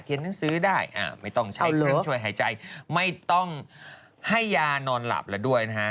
หนังสือได้ไม่ต้องใช้เครื่องช่วยหายใจไม่ต้องให้ยานอนหลับแล้วด้วยนะฮะ